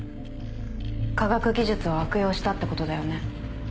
科学技術を悪用したってことだよね？